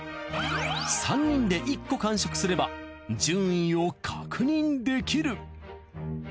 ３人で１個完食すれば順位を確認できる。